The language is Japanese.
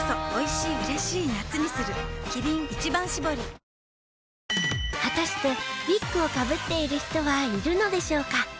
クラフトビール「スプリングバレー」果たしてウィッグをかぶっている人はいるのでしょうか？